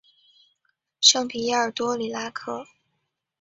圣皮耶尔多里拉克。